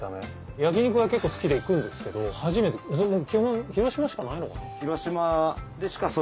焼き肉は結構好きで行くんですけど初めて基本広島しかないのかな？